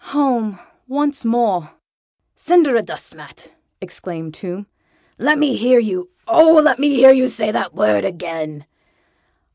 "Home once more!" "Cinderadustmat!" exclaimed Tomb. "Let me hear you, oh! let me hear you say the word again!"